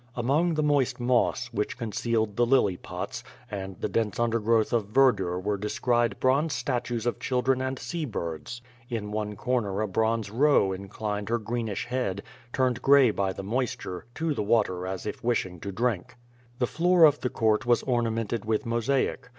Among the moist moss, which concealed the lily pots, and the dense overgrowth of verdure were descried bronze statues of children and sea birds. In one corner a bronze roe inclined her greenish head, turned gray by the moisture, to the water as if wishing to drink. The floor of the court was ornamented with mosaic.